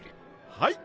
はい。